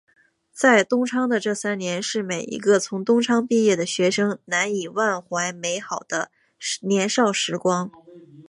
在东昌的这三年是每一个从东昌毕业的学生难以忘怀美好的年少时光。